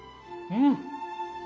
うん！